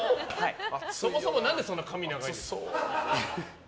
そもそも何でそんな髪長いんですか。